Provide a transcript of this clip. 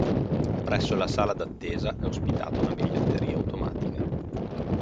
Presso la sala d’attesa è ospitata una biglietteria automatica.